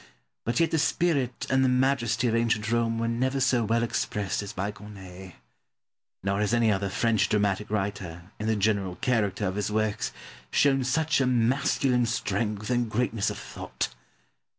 But yet the spirit and the majesty of ancient Rome were never so well expressed as by Corneille. Nor has any other French dramatic writer, in the general character of his works, shown such a masculine strength and greatness of thought.